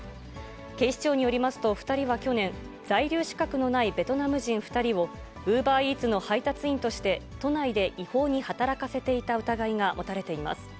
警視庁によりますと、２人は去年、在留資格のないベトナム人２人を、ウーバーイーツの配達員として、都内で違法に働かせていた疑いが持たれています。